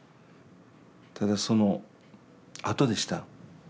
ただそのあとでした。